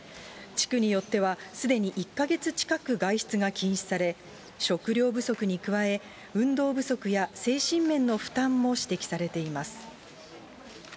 地区によっては、すでに１か月近く外出が禁止され、食料不足に加え、運動不足や精神面の負担も指摘されています。